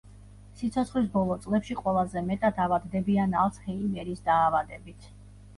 სიცოცხლის ბოლო წლებში ყველაზე მეტად ავადდებიან ალცჰეიმერის დაავადებით.